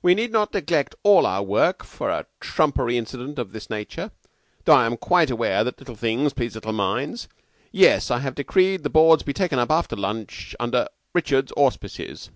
"We need not neglect all our work for a trumpery incident of this nature; though I am quite aware that little things please little minds. Yes, I have decreed the boards to be taken up after lunch under Richards's auspices.